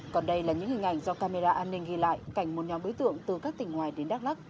còn đây là những hình ảnh do camera an ninh ghi lại cảnh một nhóm đối tượng từ các tỉnh ngoài đến đắk lắc